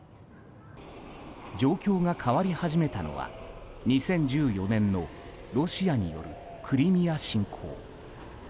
状況が変わり始めたのは２０１４年のロシアによるクリミア侵攻。